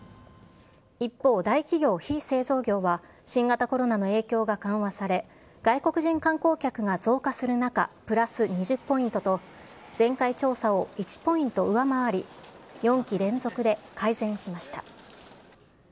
一方、大企業・非製造業は新型コロナの影響が緩和され、外国人観光客が増加する中、プラス２０ポイントと、前回調査を１ポイント上回り、４期連続で改善しました。